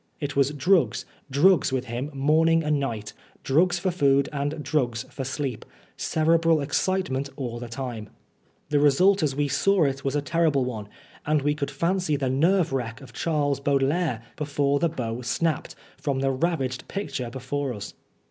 It was drugs, drugs with him morning and night, drugs for food and drugs for sleep ; cerebral excitement all the time. The result as we saw it was a terrible one, and we could 47 Oscar Wilde fancy the nerve wreck of Charles Baudelaire before the bow snapped, from the ravaged picture before us.